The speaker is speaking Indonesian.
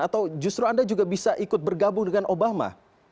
atau justru anda juga bisa ikut bergabung dengan obama